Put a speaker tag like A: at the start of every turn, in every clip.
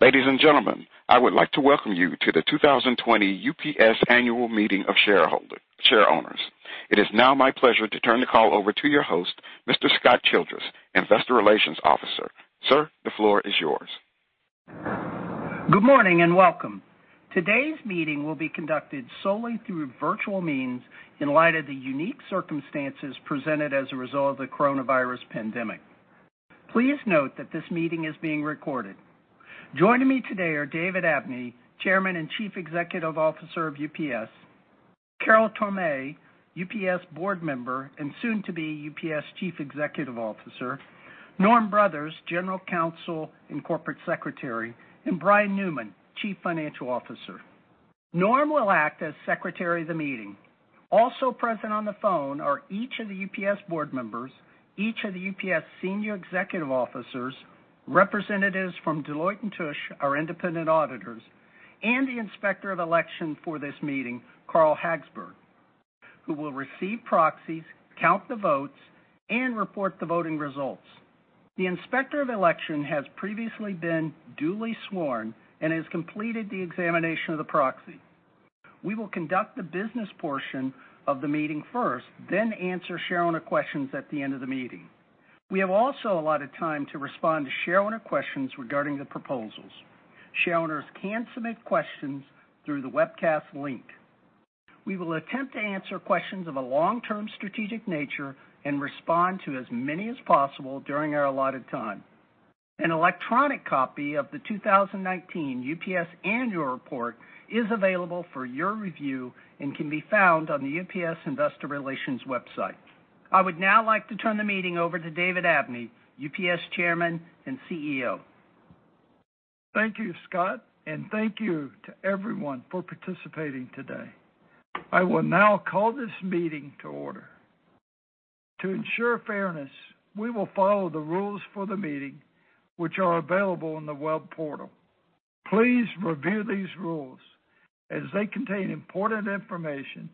A: Ladies and gentlemen, I would like to welcome you to the 2020 UPS Annual Meeting of Shareowners. It is now my pleasure to turn the call over to your host, Mr. Scott Childress, investor relations officer. Sir, the floor is yours.
B: Good morning, and welcome. Today's meeting will be conducted solely through virtual means in light of the unique circumstances presented as a result of the coronavirus pandemic. Please note that this meeting is being recorded. Joining me today are David Abney, Chairman and Chief Executive Officer of UPS, Carol Tomé, UPS board member and soon to be UPS Chief Executive Officer, Norm Brothers, General Counsel and Corporate Secretary, and Brian Newman, Chief Financial Officer. Norm will act as secretary of the meeting. Also present on the phone are each of the UPS board members, each of the UPS senior executive officers, representatives from Deloitte & Touche, our independent auditors, and the inspector of election for this meeting, Carl Hagberg, who will receive proxies, count the votes, and report the voting results. The inspector of election has previously been duly sworn and has completed the examination of the proxy. We will conduct the business portion of the meeting first, then answer shareowner questions at the end of the meeting. We have also allotted time to respond to shareowner questions regarding the proposals. Shareowners can submit questions through the webcast link. We will attempt to answer questions of a long-term strategic nature and respond to as many as possible during our allotted time. An electronic copy of the 2019 UPS annual report is available for your review and can be found on the UPS investor relations website. I would now like to turn the meeting over to David Abney, UPS Chairman and CEO.
C: Thank you, Scott, and thank you to everyone for participating today. I will now call this meeting to order. To ensure fairness, we will follow the rules for the meeting, which are available on the web portal. Please review these rules as they contain important information,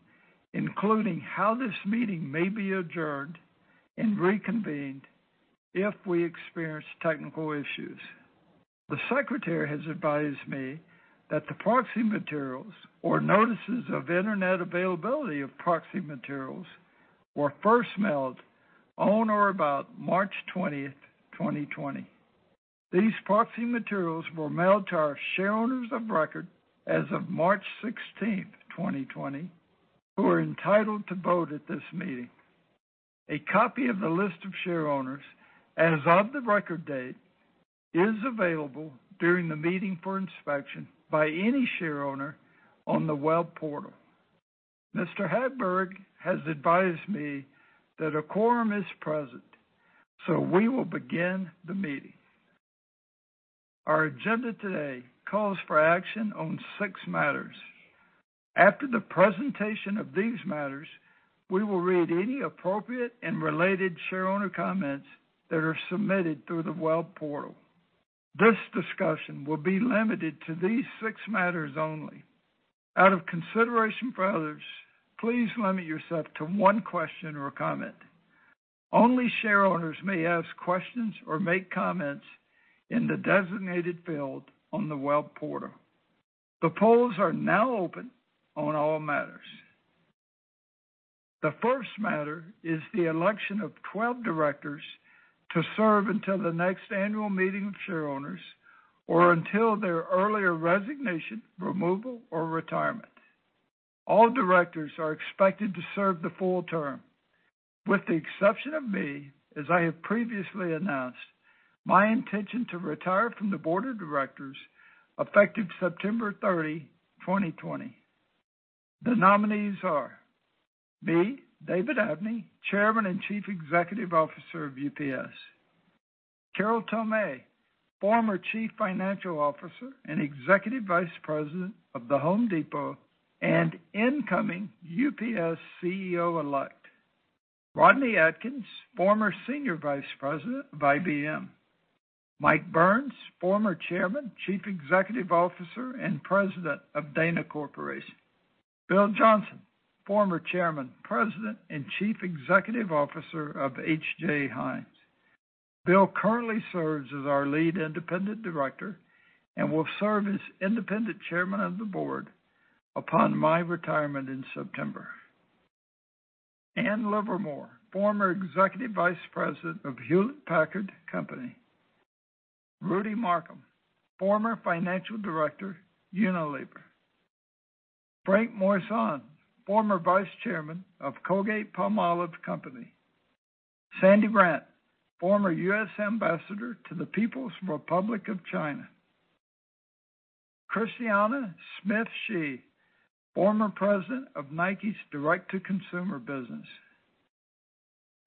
C: including how this meeting may be adjourned and reconvened if we experience technical issues. The secretary has advised me that the proxy materials or notices of internet availability of proxy materials were first mailed on or about March 20, 2020. These proxy materials were mailed to our shareowners of record as of March 16, 2020, who are entitled to vote at this meeting. A copy of the list of shareowners as of the record date is available during the meeting for inspection by any shareowner on the web portal. Mr. Hagberg has advised me that a quorum is present, so we will begin the meeting. Our agenda today calls for action on six matters. After the presentation of these matters, we will read any appropriate and related shareowner comments that are submitted through the web portal. This discussion will be limited to these six matters only. Out of consideration for others, please limit yourself to one question or comment. Only shareowners may ask questions or make comments in the designated field on the web portal. The polls are now open on all matters. The first matter is the election of 12 directors to serve until the next annual meeting of shareowners or until their earlier resignation, removal, or retirement. All directors are expected to serve the full term, with the exception of me, as I have previously announced my intention to retire from the board of directors effective September 30, 2020. The nominees are me, David Abney, Chairman and Chief Executive Officer of UPS. Carol Tomé, former Chief Financial Officer and Executive Vice President of The Home Depot and incoming UPS CEO Elect. Rodney C. Adkins, former Senior Vice President of IBM. Michael J. Burns, former Chairman, Chief Executive Officer, and President of Dana Incorporated. William R. Johnson, former Chairman, President, and Chief Executive Officer of H.J. Heinz Company. Bill currently serves as our Lead Independent Director and will serve as Independent Chairman of the Board upon my retirement in September. Ann M. Livermore, former Executive Vice President of Hewlett-Packard Company. Rudy Markham, former Financial Director, Unilever. Franck Moison, former Vice Chairman of Colgate-Palmolive Company. Clark T. Randt Jr., former U.S. ambassador to the People's Republic of China. Christiana Smith Shi, former President of Nike's Direct-to-Consumer business.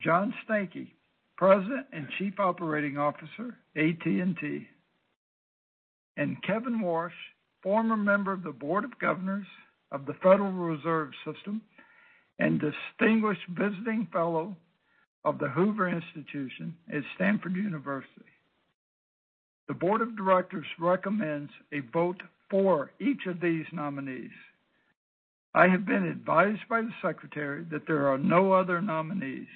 C: John Stankey, President and Chief Operating Officer, AT&T. Kevin Warsh, former member of the Board of Governors of the Federal Reserve System and distinguished visiting fellow of the Hoover Institution at Stanford University. The board of directors recommends a vote for each of these nominees. I have been advised by the secretary that there are no other nominees.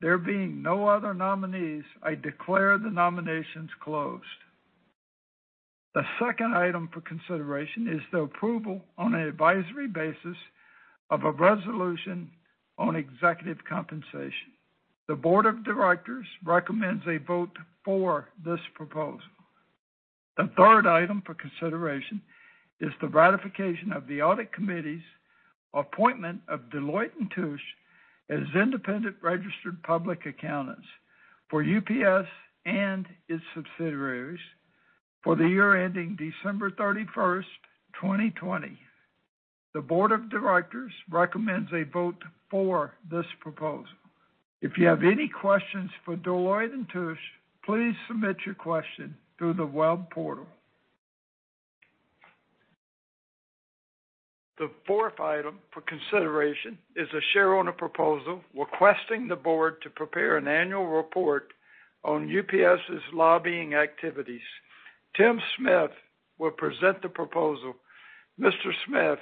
C: There being no other nominees, I declare the nominations closed. The second item for consideration is the approval on an advisory basis of a resolution on executive compensation. The board of directors recommends a vote for this proposal. The third item for consideration is the ratification of the audit committee's appointment of Deloitte & Touche as independent registered public accountants for UPS and its subsidiaries for the year ending December 31st, 2020. The board of directors recommends a vote for this proposal. If you have any questions for Deloitte & Touche, please submit your question through the web portal. The fourth item for consideration is a shareowner proposal requesting the board to prepare an annual report on UPS's lobbying activities. Tim Smith will present the proposal. Mr. Smith,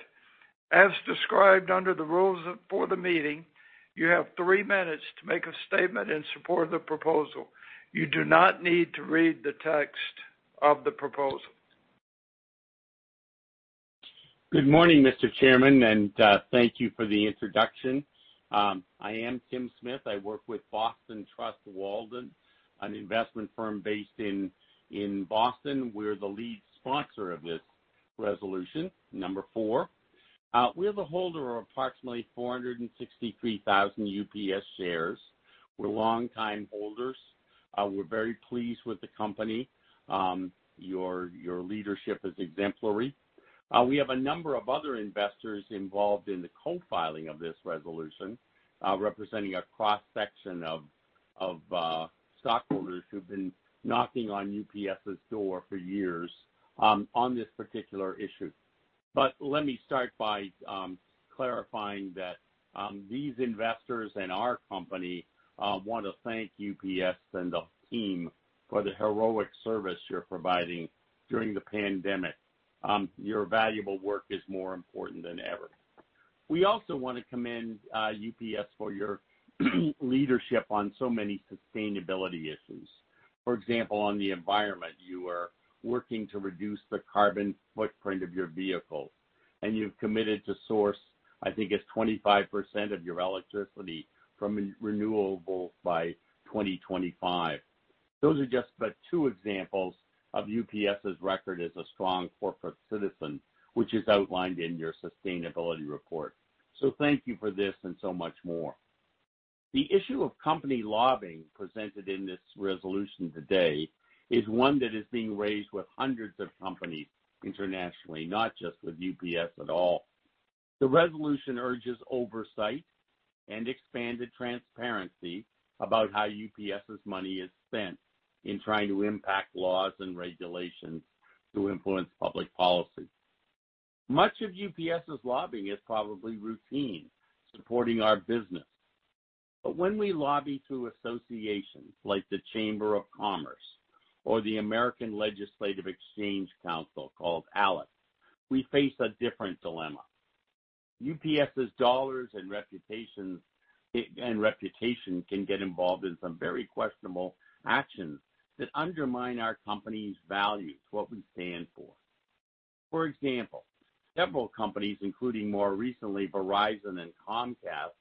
C: as described under the rules for the meeting, you have three minutes to make a statement in support of the proposal. You do not need to read the text of the proposal.
D: Good morning, Mr. Chairman, and thank you for the introduction. I am Timothy Smith. I work with Boston Trust Walden, an investment firm based in Boston. We're the lead sponsor of this resolution, number 4. We're the holder of approximately 463,000 UPS shares. We're longtime holders. We're very pleased with the company. Your leadership is exemplary. We have a number of other investors involved in the co-filing of this resolution, representing a cross-section of stockholders who've been knocking on UPS's door for years on this particular issue. Let me start by clarifying that these investors and our company want to thank UPS and the team for the heroic service you're providing during the pandemic. Your valuable work is more important than ever. We also want to commend UPS for your leadership on so many sustainability issues. For example, on the environment, you are working to reduce the carbon footprint of your vehicles, and you've committed to source, I think it's 25% of your electricity from renewables by 2025. Those are just but two examples of UPS's record as a strong corporate citizen, which is outlined in your sustainability report. Thank you for this and so much more. The issue of company lobbying presented in this resolution today is one that is being raised with hundreds of companies internationally, not just with UPS at all. The resolution urges oversight and expanded transparency about how UPS's money is spent in trying to impact laws and regulations to influence public policy. Much of UPS's lobbying is probably routine, supporting our business. When we lobby through associations like the Chamber of Commerce or the American Legislative Exchange Council, called ALEC, we face a different dilemma. UPS's dollars and reputation can get involved in some very questionable actions that undermine our company's values, what we stand for. For example, several companies, including more recently Verizon and Comcast,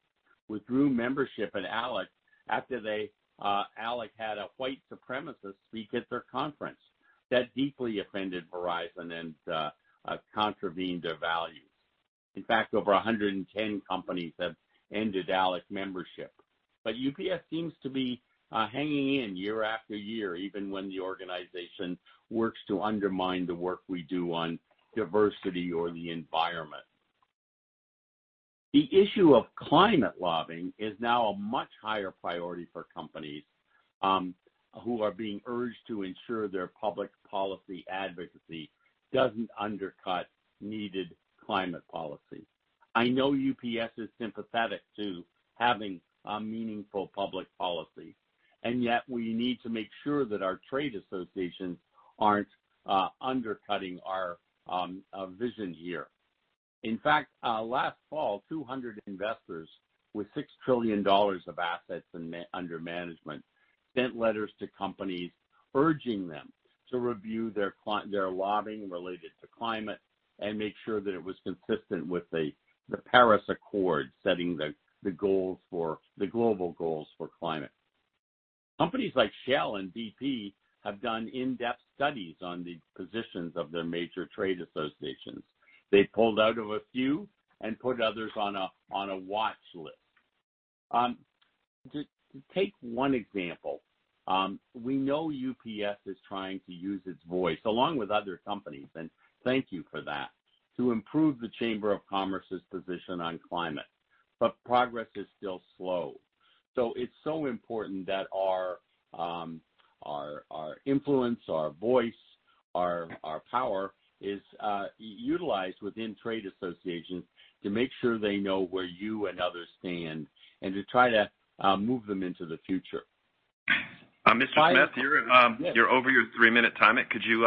D: withdrew membership in ALEC after ALEC had a white supremacist speak at their conference. That deeply offended Verizon and contravened their values. In fact, over 110 companies have ended ALEC membership. UPS seems to be hanging in year after year, even when the organization works to undermine the work we do on diversity or the environment. The issue of climate lobbying is now a much higher priority for companies who are being urged to ensure their public policy advocacy doesn't undercut needed climate policy. I know UPS is sympathetic to having a meaningful public policy, and yet we need to make sure that our trade associations aren't undercutting our vision here. In fact, last fall, 200 investors with $6 trillion of assets under management sent letters to companies urging them to review their lobbying related to climate and make sure that it was consistent with the Paris Agreement, setting the global goals for climate. Companies like Shell and BP have done in-depth studies on the positions of their major trade associations. They pulled out of a few and put others on a watch list. To take one example, we know UPS is trying to use its voice, along with other companies, and thank you for that, to improve the U.S. Chamber of Commerce's position on climate. Progress is still slow. It's so important that our influence, our voice, our power is utilized within trade associations to make sure they know where you and others stand and to try to move them into the future.
E: Mr. Smith, you're over your three-minute timing. Could you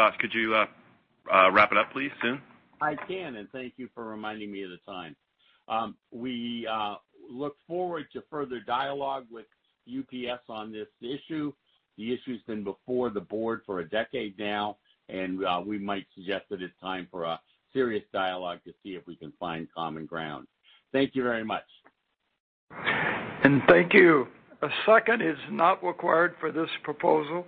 E: wrap it up, please, soon?
D: I can, and thank you for reminding me of the time. We look forward to further dialogue with UPS on this issue. The issue's been before the board for a decade now, and we might suggest that it's time for a serious dialogue to see if we can find common ground. Thank you very much.
C: Thank you. A second is not required for this proposal.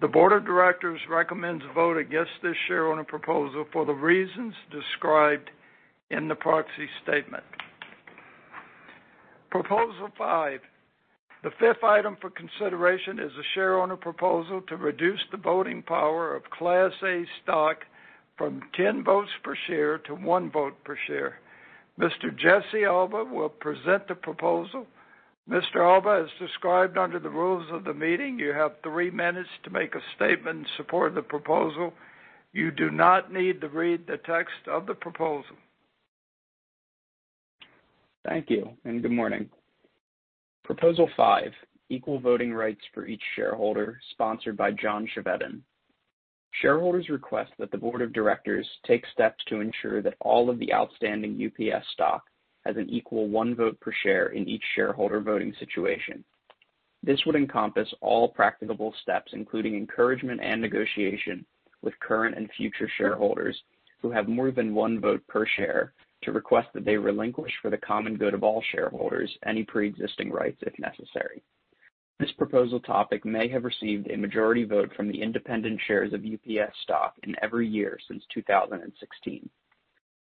C: The board of directors recommends a vote against this shareholder proposal for the reasons described in the proxy statement. Proposal five. The fifth item for consideration is a shareholder proposal to reduce the voting power of Class A stock from 10 votes per share to one vote per share. Mr. Jesse Alba will present the proposal. Mr. Alba, as described under the rules of the meeting, you have three minutes to make a statement in support of the proposal. You do not need to read the text of the proposal.
F: Thank you, and good morning. Proposal 5, equal voting rights for each shareholder, sponsored by John Chevedden. Shareholders request that the board of directors take steps to ensure that all of the outstanding UPS stock has an equal 1 vote per share in each shareholder voting situation. This would encompass all practicable steps, including encouragement and negotiation with current and future shareholders who have more than 1 vote per share to request that they relinquish for the common good of all shareholders, any preexisting rights, if necessary. This proposal topic may have received a majority vote from the independent shares of UPS stock in every year since 2016.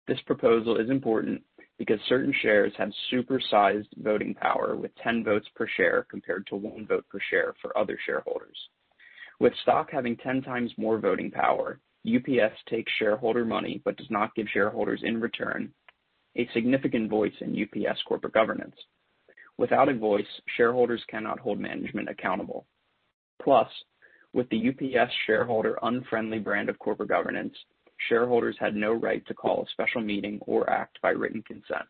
F: This proposal is important because certain shares have super-sized voting power with 10 votes per share compared to 1 vote per share for other shareholders. With stock having 10 times more voting power, UPS takes shareholder money but does not give shareholders in return a significant voice in UPS corporate governance. Without a voice, shareholders cannot hold management accountable. With the UPS shareholder-unfriendly brand of corporate governance, shareholders had no right to call a special meeting or act by written consent,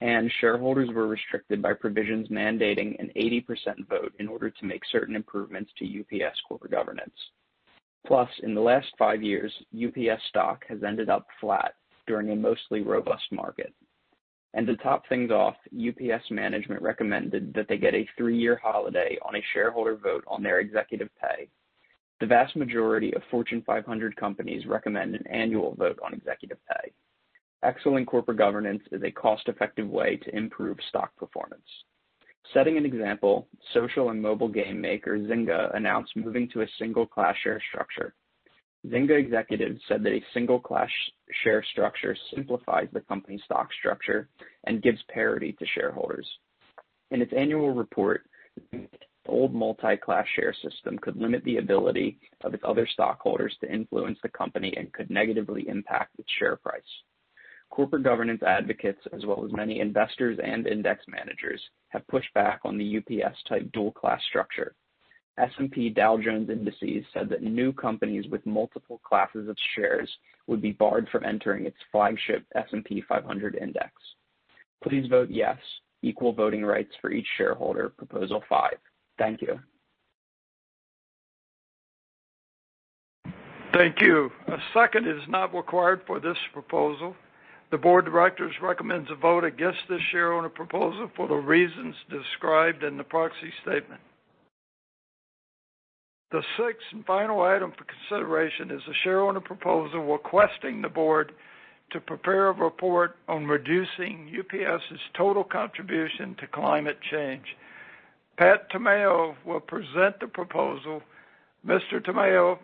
F: and shareholders were restricted by provisions mandating an 80% vote in order to make certain improvements to UPS corporate governance. In the last five years, UPS stock has ended up flat during a mostly robust market. To top things off, UPS management recommended that they get a three-year holiday on a shareholder vote on their executive pay. The vast majority of Fortune 500 companies recommend an annual vote on executive pay. Excellent corporate governance is a cost-effective way to improve stock performance. Setting an example, social and mobile game maker Zynga announced moving to a single class share structure. Zynga executives said that a single class share structure simplifies the company stock structure and gives parity to shareholders. In its annual report, the old multi-class share system could limit the ability of its other stockholders to influence the company and could negatively impact its share price. Corporate governance advocates, as well as many investors and index managers, have pushed back on the UPS-type dual-class structure. S&P Dow Jones Indices said that new companies with multiple classes of shares would be barred from entering its flagship S&P 500 index. Please vote yes, equal voting rights for each shareholder, proposal five. Thank you.
C: Thank you. A second is not required for this proposal. The Board of Directors recommends a vote against this shareholder proposal for the reasons described in the proxy statement. The sixth and final item for consideration is a shareholder proposal requesting the Board to prepare a report on reducing UPS's total contribution to climate change. Pat Tamaino will present the proposal. Mr. Tamaino,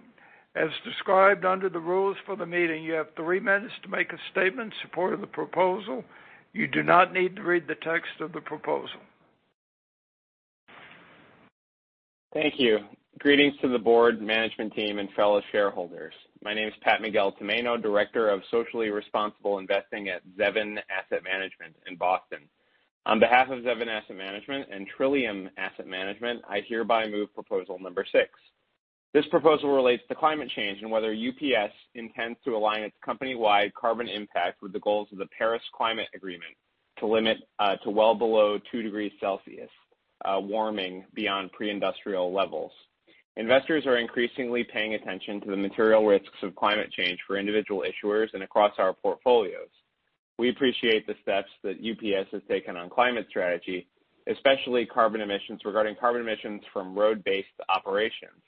C: as described under the rules for the meeting, you have three minutes to make a statement in support of the proposal. You do not need to read the text of the proposal.
G: Thank you. Greetings to the board, management team, and fellow shareholders. My name is Pat Miguel Tamainoyo, Director of Socially Responsible Investing at Zevin Asset Management in Boston. On behalf of Zevin Asset Management and Trillium Asset Management, I hereby move proposal number 6. This proposal relates to climate change and whether UPS intends to align its company-wide carbon impact with the goals of the Paris Climate Agreement to limit to well below two degrees Celsius, warming beyond pre-industrial levels. Investors are increasingly paying attention to the material risks of climate change for individual issuers and across our portfolios. We appreciate the steps that UPS has taken on climate strategy, especially regarding carbon emissions from road-based operations,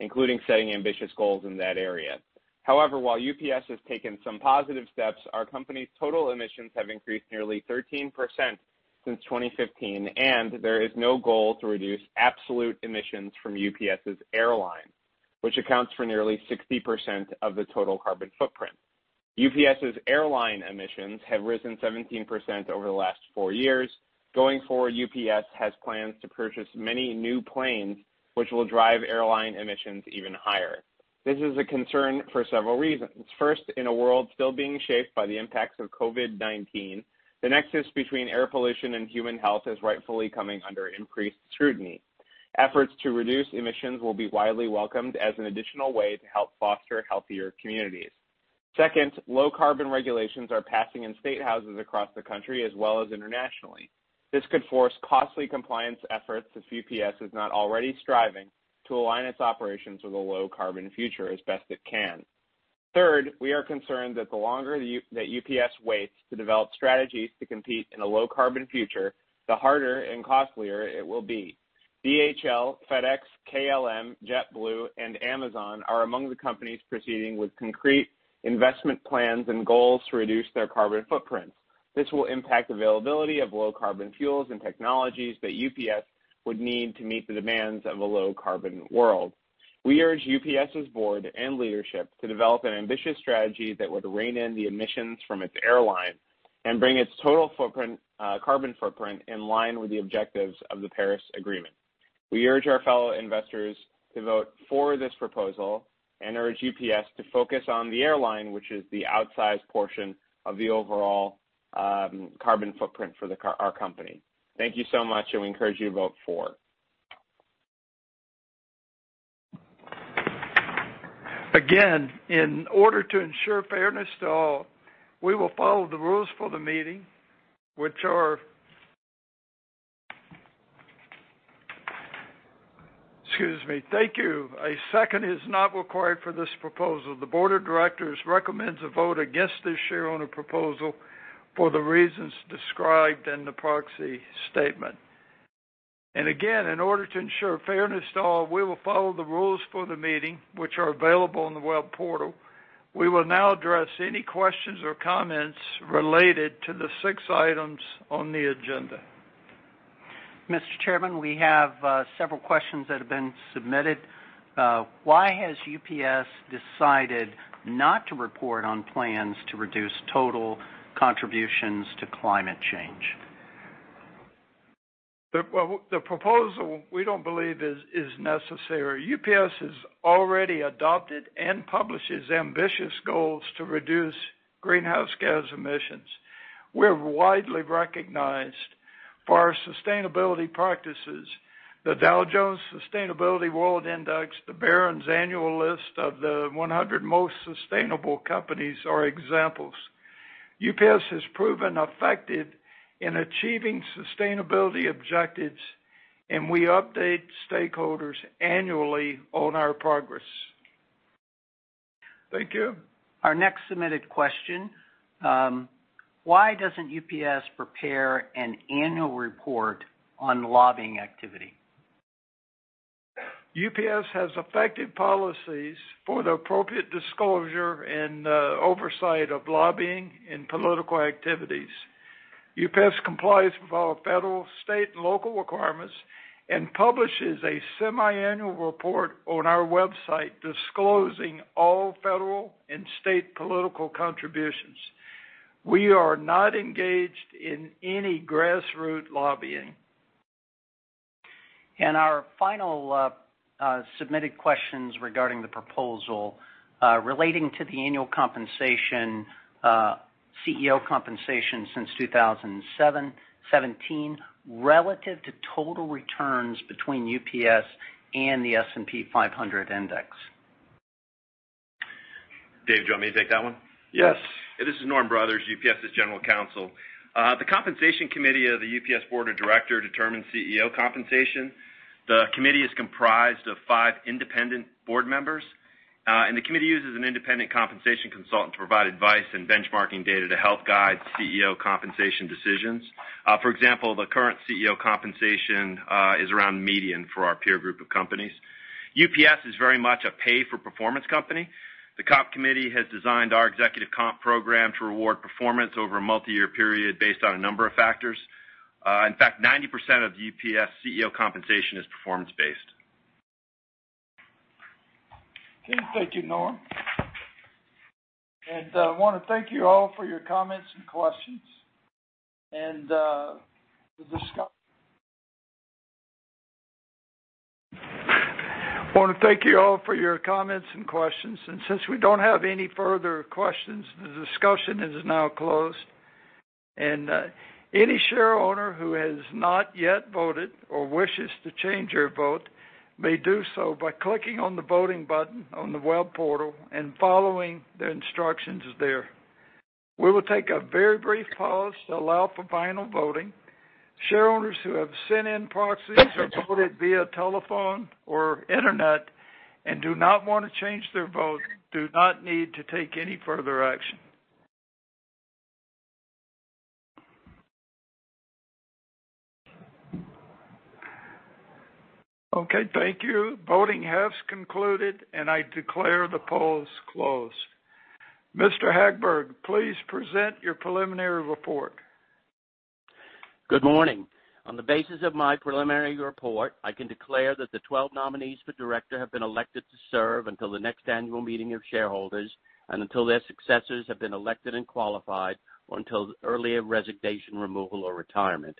G: including setting ambitious goals in that area. While UPS has taken some positive steps, our company's total emissions have increased nearly 13% since 2015, and there is no goal to reduce absolute emissions from UPS's airline, which accounts for nearly 60% of the total carbon footprint. UPS's airline emissions have risen 17% over the last four years. Going forward, UPS has plans to purchase many new planes, which will drive airline emissions even higher. This is a concern for several reasons. First, in a world still being shaped by the impacts of COVID-19, the nexus between air pollution and human health is rightfully coming under increased scrutiny. Efforts to reduce emissions will be widely welcomed as an additional way to help foster healthier communities. Second, low carbon regulations are passing in state houses across the country as well as internationally. This could force costly compliance efforts if UPS is not already striving to align its operations with a low carbon future as best it can. Third, we are concerned that the longer that UPS waits to develop strategies to compete in a low carbon future, the harder and costlier it will be. DHL, FedEx, KLM, JetBlue and Amazon are among the companies proceeding with concrete investment plans and goals to reduce their carbon footprints. This will impact availability of low carbon fuels and technologies that UPS would need to meet the demands of a low carbon world. We urge UPS's board and leadership to develop an ambitious strategy that would rein in the emissions from its airline and bring its total carbon footprint in line with the objectives of the Paris Agreement. We urge our fellow investors to vote for this proposal and urge UPS to focus on the airline, which is the outsized portion of the overall carbon footprint for our company. Thank you so much. We encourage you to vote for.
C: In order to ensure fairness to all, we will follow the rules for the meeting. Excuse me. Thank you. A second is not required for this proposal. The Board of Directors recommends a vote against this shareholder proposal for the reasons described in the proxy statement. Again, in order to ensure fairness to all, we will follow the rules for the meeting, which are available on the web portal. We will now address any questions or comments related to the six items on the agenda.
H: Mr. Chairman, we have several questions that have been submitted. Why has UPS decided not to report on plans to reduce total contributions to climate change?
C: Well, the proposal, we don't believe is necessary. UPS has already adopted and publishes ambitious goals to reduce greenhouse gas emissions. We're widely recognized for our sustainability practices. The Dow Jones Sustainability World Index, the Barron's Annual List of the 100 most sustainable companies are examples. UPS has proven effective in achieving sustainability objectives, and we update stakeholders annually on our progress. Thank you.
H: Our next submitted question, why doesn't UPS prepare an annual report on lobbying activity?
C: UPS has effective policies for the appropriate disclosure and oversight of lobbying and political activities. UPS complies with all federal, state, and local requirements and publishes a semi-annual report on our website disclosing all federal and state political contributions. We are not engaged in any grassroots lobbying.
H: Our final submitted question regarding the proposal relating to the annual compensation, CEO compensation since 2017 relative to total returns between UPS and the S&P 500 index.
E: David, do you want me to take that one?
C: Yes.
E: This is Norm Brothers, UPS's General Counsel. The Compensation Committee of the UPS Board of Directors determines CEO compensation. The committee is comprised of five independent board members. The committee uses an independent compensation consultant to provide advice and benchmarking data to help guide CEO compensation decisions. For example, the current CEO compensation is around median for our peer group of companies. UPS is very much a pay-for-performance company. The Comp Committee has designed our executive comp program to reward performance over a multi-year period based on a number of factors. In fact, 90% of UPS CEO compensation is performance-based.
C: Okay. Thank you, Norm. I want to thank you all for your comments and questions. I want to thank you all for your comments and questions. Since we don't have any further questions, the discussion is now closed. Any shareholder who has not yet voted or wishes to change their vote may do so by clicking on the voting button on the web portal and following the instructions there. We will take a very brief pause to allow for final voting. Shareholders who have sent in proxies or voted via telephone or internet and do not want to change their vote do not need to take any further action. Okay. Thank you. Voting has concluded, and I declare the polls closed. Mr. Hagberg, please present your preliminary report.
H: Good morning. On the basis of my preliminary report, I can declare that the 12 nominees for director have been elected to serve until the next annual meeting of shareholders and until their successors have been elected and qualified or until earlier resignation, removal, or retirement.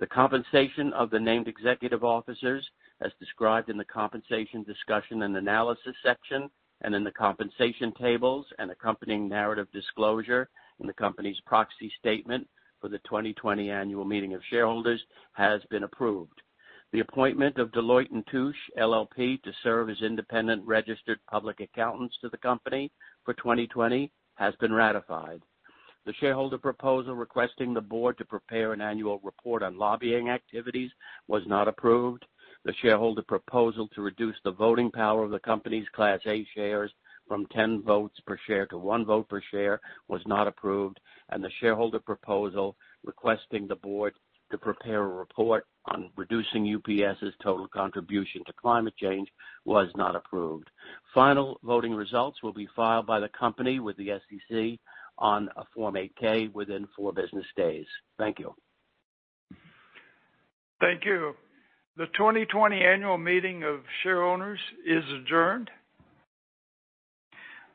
H: The compensation of the named executive officers as described in the Compensation Discussion and analysis section and in the compensation tables and accompanying narrative disclosure in the company's proxy statement for the 2020 annual meeting of shareholders has been approved. The appointment of Deloitte & Touche LLP to serve as independent registered public accountants to the company for 2020 has been ratified. The shareholder proposal requesting the board to prepare an annual report on lobbying activities was not approved. The shareholder proposal to reduce the voting power of the company's Class A shares from 10 votes per share to one vote per share was not approved. The shareholder proposal requesting the board to prepare a report on reducing UPS's total contribution to climate change was not approved. Final voting results will be filed by the company with the SEC on a Form 8-K within four business days. Thank you.
C: Thank you. The 2020 Annual Meeting of Shareowners is adjourned.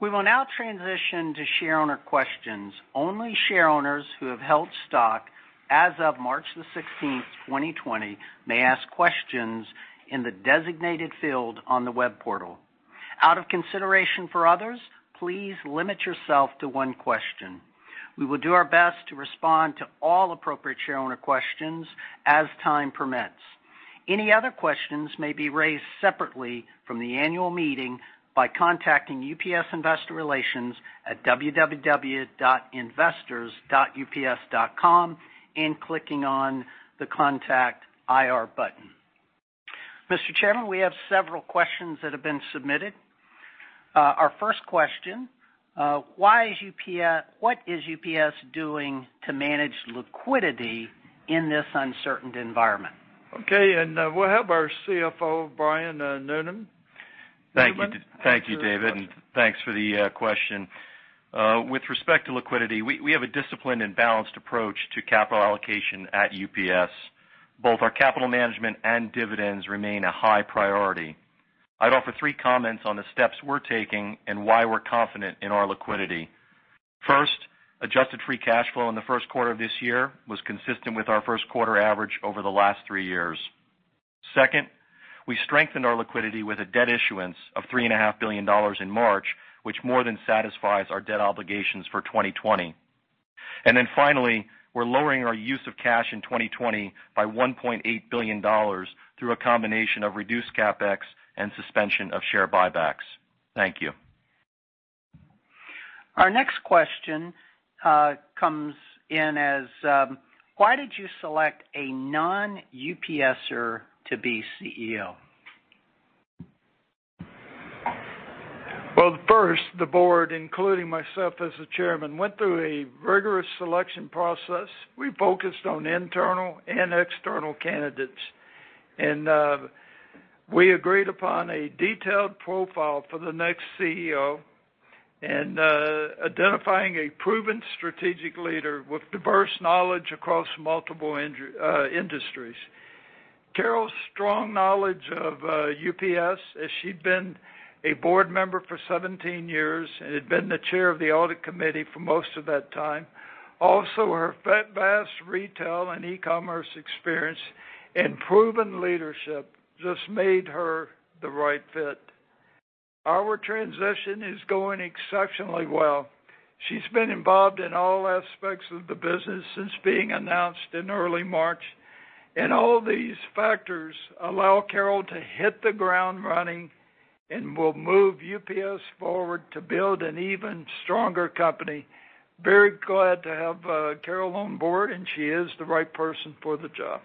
H: We will now transition to shareowner questions. Only shareowners who have held stock as of March the 16th, 2020 may ask questions in the designated field on the web portal. Out of consideration for others, please limit yourself to one question. We will do our best to respond to all appropriate shareowner questions as time permits. Any other questions may be raised separately from the annual meeting by contacting UPS Investor Relations at www.investors.ups.com and clicking on the Contact IR button. Mr. Chairman, we have several questions that have been submitted. Our first question, what is UPS doing to manage liquidity in this uncertain environment?
C: Okay, we'll have our CFO, Brian Newman.
I: Thank you, David, and thanks for the question. With respect to liquidity, we have a disciplined and balanced approach to capital allocation at UPS. Both our capital management and dividends remain a high priority. I'd offer three comments on the steps we're taking and why we're confident in our liquidity. First, adjusted free cash flow in the first quarter of this year was consistent with our first quarter average over the last three years. Second, we strengthened our liquidity with a debt issuance of $3.5 billion in March, which more than satisfies our debt obligations for 2020. Finally, we're lowering our use of cash in 2020 by $1.8 billion through a combination of reduced CapEx and suspension of share buybacks. Thank you.
H: Our next question comes in as, why did you select a non-UPSer to be CEO?
C: Well, first, the board, including myself as the chairman, went through a rigorous selection process. We focused on internal and external candidates, and we agreed upon a detailed profile for the next CEO and identifying a proven strategic leader with diverse knowledge across multiple industries. Carol Tomé's strong knowledge of UPS, as she'd been a board member for 17 years and had been the chair of the Audit Committee for most of that time. Also, her vast retail and e-commerce experience and proven leadership just made her the right fit. Our transition is going exceptionally well. She's been involved in all aspects of the business since being announced in early March, and all these factors allow Carol Tomé to hit the ground running and will move UPS forward to build an even stronger company. Very glad to have Carol Tomé on board, and she is the right person for the job.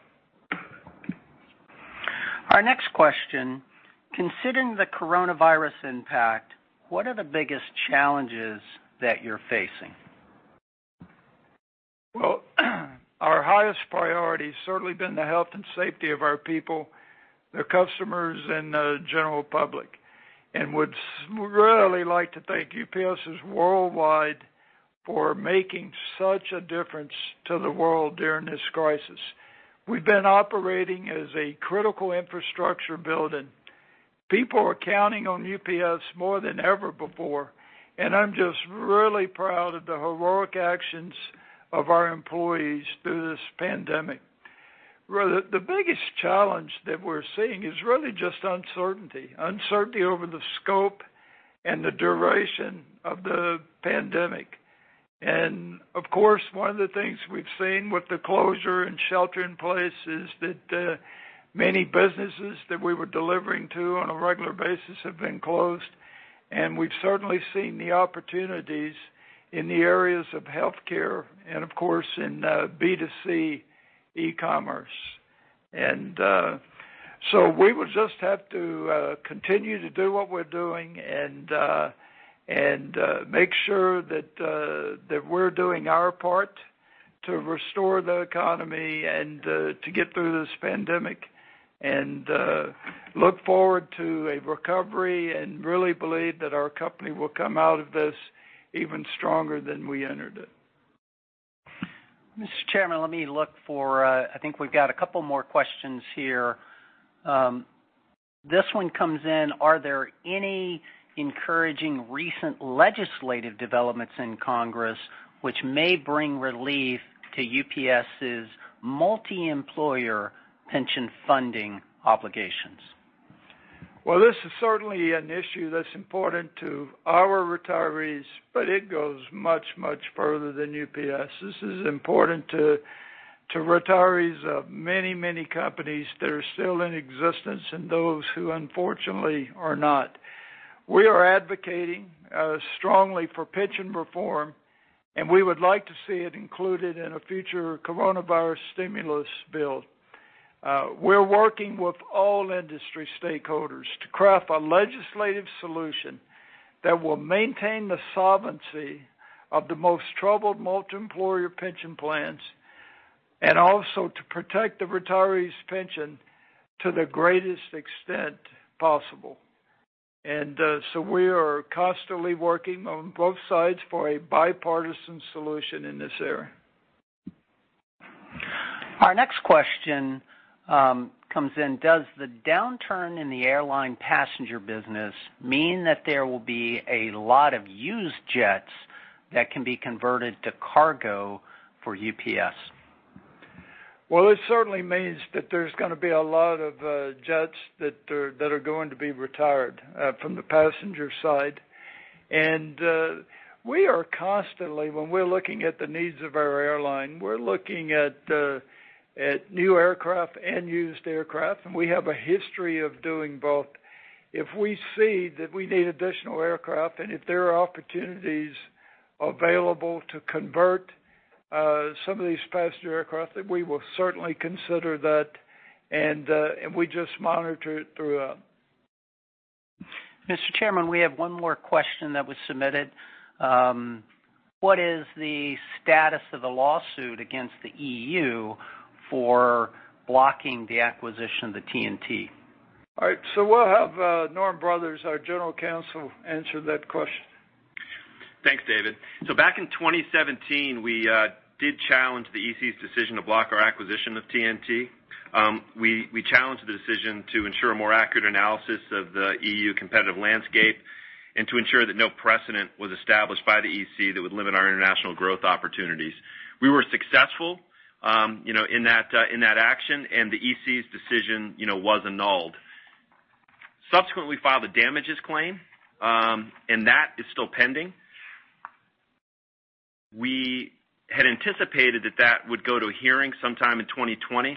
H: Our next question, considering the coronavirus impact, what are the biggest challenges that you're facing?
C: Our highest priority has certainly been the health and safety of our people, the customers, and the general public, and would really like to thank UPSers worldwide for making such a difference to the world during this crisis. We've been operating as a critical infrastructure building. People are counting on UPS more than ever before, and I'm just really proud of the heroic actions of our employees through this pandemic. The biggest challenge that we're seeing is really just uncertainty. Uncertainty over the scope and the duration of the pandemic. Of course, one of the things we've seen with the closure and shelter in place is that many businesses that we were delivering to on a regular basis have been closed, and we've certainly seen the opportunities in the areas of healthcare and, of course, in B2C e-commerce. We will just have to continue to do what we're doing and make sure that we're doing our part to restore the economy and to get through this pandemic and look forward to a recovery and really believe that our company will come out of this even stronger than we entered it.
H: Mr. Chairman, let me look for I think we've got a couple more questions here. This one comes in, are there any encouraging recent legislative developments in Congress which may bring relief to UPS's multi-employer pension funding obligations?
C: Well, this is certainly an issue that's important to our retirees, but it goes much, much further than UPS. This is important to retirees of many, many companies that are still in existence and those who, unfortunately, are not. We are advocating strongly for pension reform, and we would like to see it included in a future coronavirus stimulus bill. We're working with all industry stakeholders to craft a legislative solution that will maintain the solvency of the most troubled multi-employer pension plans, and also to protect the retirees' pension to the greatest extent possible. We are constantly working on both sides for a bipartisan solution in this area.
B: Our next question comes in, does the downturn in the airline passenger business mean that there will be a lot of used jets that can be converted to cargo for UPS?
C: Well, it certainly means that there's going to be a lot of jets that are going to be retired from the passenger side. We are constantly, when we're looking at the needs of our airline, we're looking at new aircraft and used aircraft, and we have a history of doing both. If we see that we need additional aircraft, and if there are opportunities available to convert some of these passenger aircraft, then we will certainly consider that, and we just monitor it through.
B: Mr. Chairman, we have one more question that was submitted. What is the status of the lawsuit against the EU for blocking the acquisition of the TNT?
C: All right. We'll have Norm Brothers, our General Counsel, answer that question.
E: Thanks, David. Back in 2017, we did challenge the EC's decision to block our acquisition of TNT. We challenged the decision to ensure a more accurate analysis of the EU competitive landscape and to ensure that no precedent was established by the EC that would limit our international growth opportunities. We were successful in that action, and the EC's decision was annulled. We subsequently filed a damages claim, and that is still pending. We had anticipated that that would go to a hearing sometime in 2020.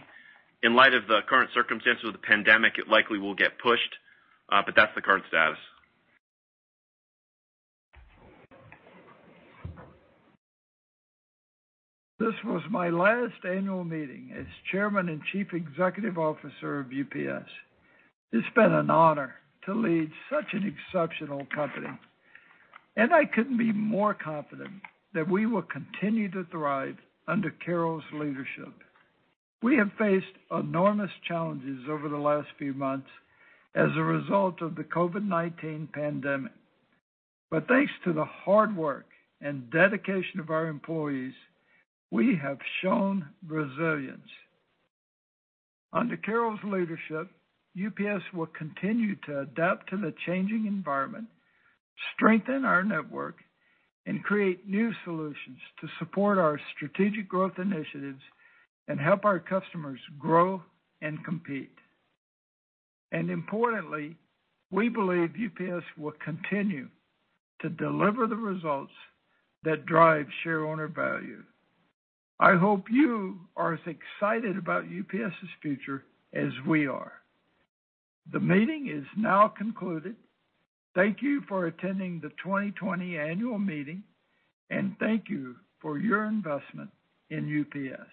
E: In light of the current circumstances with the pandemic, it likely will get pushed, but that's the current status.
C: This was my last annual meeting as Chairman and Chief Executive Officer of UPS. It's been an honor to lead such an exceptional company, and I couldn't be more confident that we will continue to thrive under Carol's leadership. We have faced enormous challenges over the last few months as a result of the COVID-19 pandemic. Thanks to the hard work and dedication of our employees, we have shown resilience. Under Carol's leadership, UPS will continue to adapt to the changing environment, strengthen our network, and create new solutions to support our strategic growth initiatives and help our customers grow and compete. Importantly, we believe UPS will continue to deliver the results that drive shareowner value. I hope you are as excited about UPS's future as we are. The meeting is now concluded. Thank you for attending the 2020 Annual Meeting, and thank you for your investment in UPS.